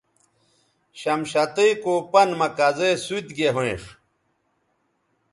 شمشتئ کو پن مہ کزے سوت گے ھوینݜ